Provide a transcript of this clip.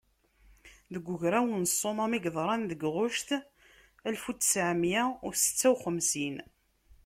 Deg ugraw n Ssumam i yeḍran deg ɣuct walef u ttɛemya u setta u xemsin.